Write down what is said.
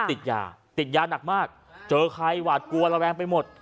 ติดยาติดยาหนักมากเจอใครหวาดกลัวระแวงไปหมด